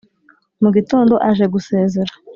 mu gitondo aje gusezera